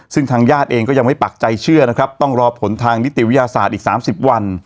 ซึ่งทางญาติเองก็ยังไม่ปักใจเชื่อนะครับต้องรอผลทางนิติวิทยาศาสตร์อีก๓๐วัน